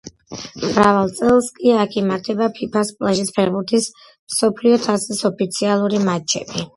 მრავალ წელს კი აქ იმართება ფიფას პლაჟის ფეხბურთის მსოფლიო თასის ოფიციალური მატჩები.